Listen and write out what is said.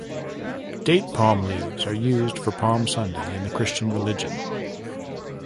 Date palm leaves are used for Palm Sunday in the Christian religion.